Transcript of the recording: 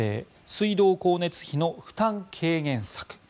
水道光熱費の負担軽減策。